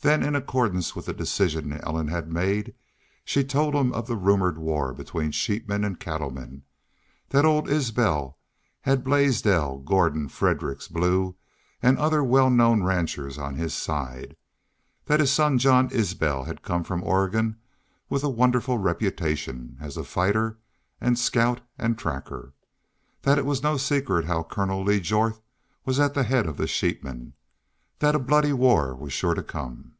Then in accordance with a decision Ellen had made she told him of the rumored war between sheepmen and cattlemen; that old Isbel had Blaisdell, Gordon, Fredericks, Blue and other well known ranchers on his side; that his son Jean Isbel had come from Oregon with a wonderful reputation as fighter and scout and tracker; that it was no secret how Colonel Lee Jorth was at the head of the sheepmen; that a bloody war was sure to come.